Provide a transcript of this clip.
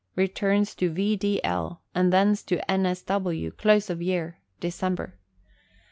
Returns to V. D. L., and thence to N. S. W. close of year December.